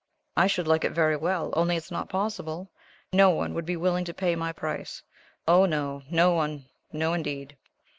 "I should like it very well, only it is not possible. No one would be willing to pay my price. Oh, no, no one. No, indeed."